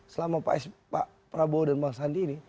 selama pak prabowo dan bang sandi ini